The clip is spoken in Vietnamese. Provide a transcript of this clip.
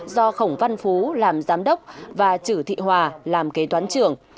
do khổng văn phú làm giám đốc và chử thị hòa làm kế toán trưởng